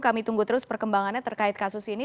kami tunggu terus perkembangannya terkait kasus ini